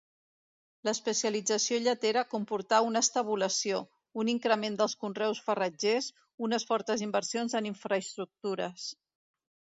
L'especialització lletera comportà una estabulació, un increment dels conreus farratgers, unes fortes inversions en infraestructures.